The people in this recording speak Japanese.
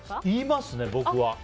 言いますね、僕は。